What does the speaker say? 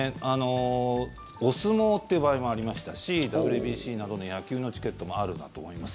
お相撲という場合もありましたしＷＢＣなどの野球のチケットもあるんだと思います。